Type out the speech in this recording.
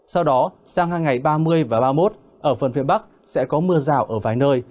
sau đó sang hai ngày ba mươi và ba mươi một ở phần phía bắc sẽ có mưa rào ở vài nơi